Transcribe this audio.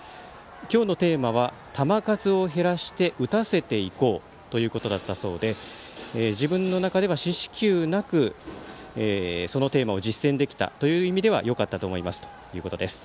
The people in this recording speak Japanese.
今日のテーマは、球数を減らして打たせていこうということだったそうで自分の中では四死球なくそのテーマを実践できたという意味ではよかったと思いますということです。